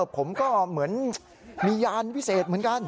ผมก็เหมือนมียานวิเศษเหมือนกัน